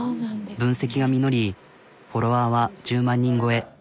分析が実りフォロワーは１０万人超え。